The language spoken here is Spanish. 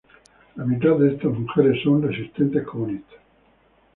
La mitad de estas mujeres son resistentes comunistas.